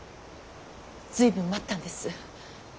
随分待ったんです。